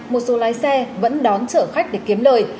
một số lái xe vẫn đón chở khách để kiếm lời